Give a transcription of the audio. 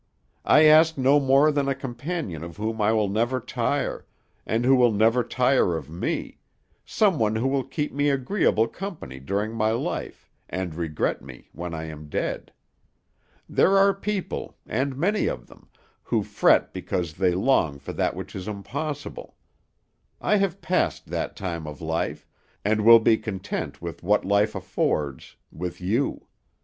I ask no more than a companion of whom I will never tire, and who will never tire of me some one who will keep me agreeable company during my life, and regret me when I am dead. There are people, and many of them, who fret because they long for that which is impossible. I have passed that time of life, and will be content with what life affords, with you.